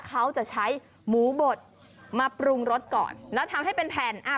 เขาจะใช้หมูบดมาปรุงรสก่อนแล้วทำให้เป็นแผ่นอ่า